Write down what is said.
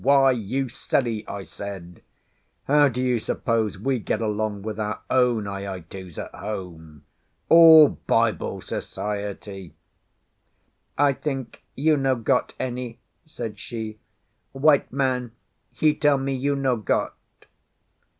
Why, you silly!" I said, "how do you suppose we get along with our own aitus at home? All Bible Society!" "I think you no got any," said she. "White man, he tell me you no got."